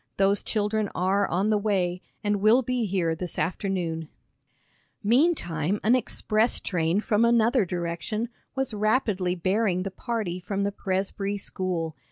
Those children are on the way, and will be here this afternoon." Meantime an express train from another direction was rapidly bearing the party from the Presbrey School.